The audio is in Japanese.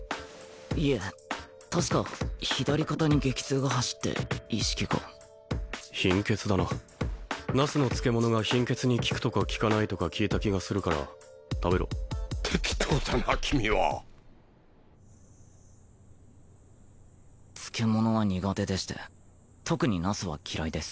いえ確か左肩に激痛が走って意識が貧血だなナスの漬物が貧血に効くとか効かないとか聞いた気がするから食べろ適当だな君は漬物は苦手でして特にナスは嫌いです